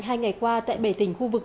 hai ngày qua tại bể tỉnh khu vực